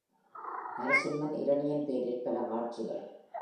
நரசிம்மன் இரணியன் போரில் பல காட்சிகள்.